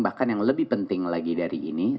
bahkan yang lebih penting lagi dari ini